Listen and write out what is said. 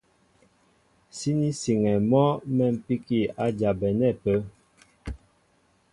Síní siŋɛ mɔ́ mɛ̌mpíki a jabɛnɛ́ ápə́.